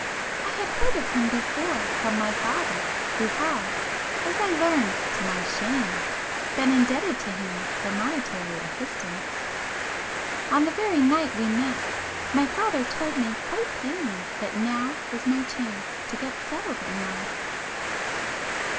I had heard of him before from my father who had (as I learned to my shame) been indebted to him for monetary assistance. On the very night we met, my father told me quite plainly that now was my chance to get 'settled' in life.